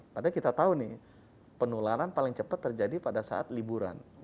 padahal kita tahu nih penularan paling cepat terjadi pada saat liburan